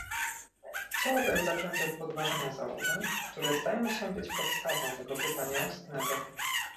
Chciałabym zacząć od podważenia założeń, które zdają się być podstawą tego pytania ustnego